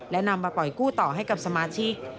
และนำมาปล่อยกู้ต่อให้กับสมาชิก